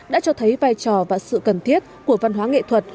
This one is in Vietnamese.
đã cho thấy vai trò và sự cần thiết của văn hóa nghệ thuật